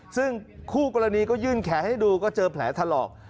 ซึ่งคู่กรณีก็ยื่นแขนให้ดูก็เจอแผลถลอก